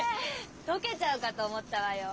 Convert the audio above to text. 溶けちゃうかと思ったわよ。